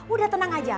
udah tenang aja